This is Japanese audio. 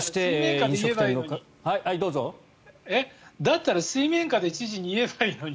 だったら水面下で言えばいいのに。